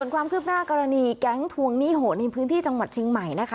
ความคืบหน้ากรณีแก๊งทวงหนี้โหดในพื้นที่จังหวัดเชียงใหม่นะคะ